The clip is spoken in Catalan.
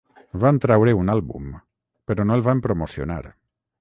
Van traure un àlbum, però no el van promocionar.